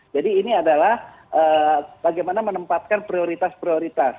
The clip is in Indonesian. jadi ini adalah bagaimana menempatkan prioritas prioritas